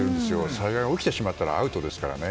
災害が起きてしまったらアウトですからね。